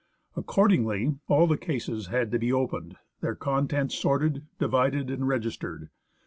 Accordingly, all the cases had to be opened, their contents sorted, divided, and registered.